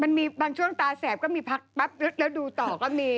มันมีบางช่วงตาแสบก็มีพักปั๊บแล้วดูต่อก็มี